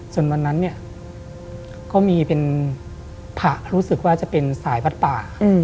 ส่วนวันนั้นเนี่ยก็มีเป็นผะรู้สึกว่าจะเป็นสายพัดป่า